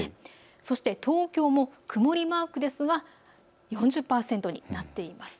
そして東京も曇りマークですが４０％になっています。